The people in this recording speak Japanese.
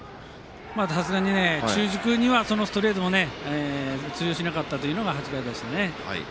さすがに中軸にはそのストレートも通用しなかったというのが８回でしたね。